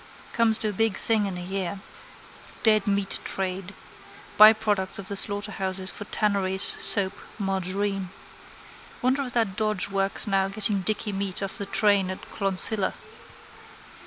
Comes to a big thing in a year. Dead meat trade. Byproducts of the slaughterhouses for tanneries, soap, margarine. Wonder if that dodge works now getting dicky meat off the train at Clonsilla.